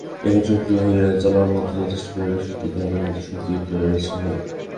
এখন স্বয়ংক্রিয় হইয়া চলার মত যথেষ্ট প্রেরণাশক্তি তাহাদের মধ্যে সঞ্চারিত হইয়াছে।